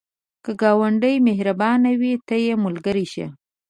که ګاونډی مهربانه وي، ته یې ملګری شه